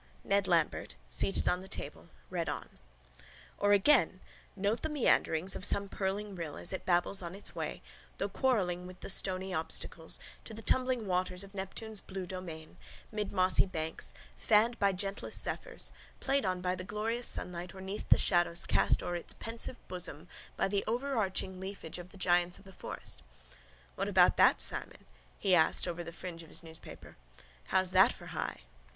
Ned Lambert, seated on the table, read on: —_Or again, note the meanderings of some purling rill as it babbles on its way, tho' quarrelling with the stony obstacles, to the tumbling waters of Neptune's blue domain, 'mid mossy banks, fanned by gentlest zephyrs, played on by the glorious sunlight or 'neath the shadows cast o'er its pensive bosom by the overarching leafage of the giants of the forest_. What about that, Simon? he asked over the fringe of his newspaper. How's that for high?